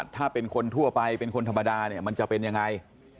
ถ้าเป็นคนทั่วไปเป็นคนธรรมดาเนี่ยมันจะเป็นยังไง